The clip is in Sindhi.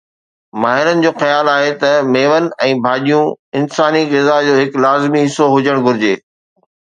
ماهرن جو خيال آهي ته ميون ۽ ڀاڄيون انساني غذا جو هڪ لازمي حصو هجڻ گهرجي